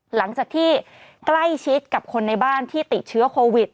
หลังจากที่ใกล้ชิดกับคนในบ้านที่ติดเชื้อโควิด